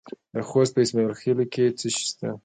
د خوست په اسماعیل خیل کې څه شی شته؟